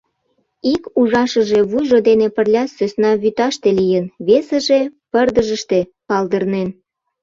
Ик ужашыже вуйжо дене пырля сӧсна вӱташте лийын, весыже пырдыжыште палдырнен.